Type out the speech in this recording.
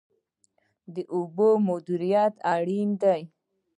د اوبو مدیریت اړین دی.